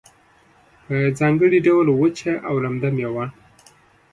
په ځانګړي ډول وچه او لمده میوه